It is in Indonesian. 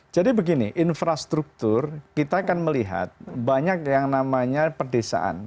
jadi begini infrastruktur kita akan melihat banyak yang namanya perdesaan